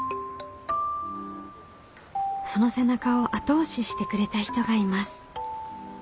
その背中を後押ししてくれた人がいます。